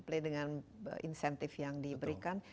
play dengan insentif yang diberikan